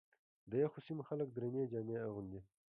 د یخو سیمو خلک درنې جامې اغوندي.